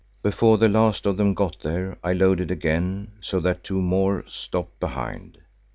Before the last of them got there I loaded again, so that two more stopped behind.